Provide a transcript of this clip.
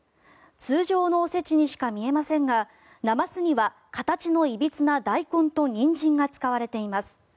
通常のお節にしか見えませんがなますには形のいびつなダイコンとニンジンが使われています。